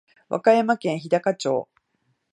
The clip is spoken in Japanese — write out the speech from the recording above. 和歌山県日高町